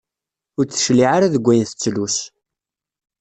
Ur d-tecliε ara deg ayen tettlus.